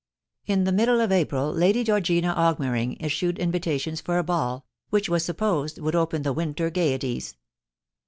In the middle of April Lady Georgina Augmering issued invitations for a ball, which it was sup posed would open the winter's gaieties.